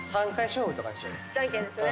じゃんけんですね。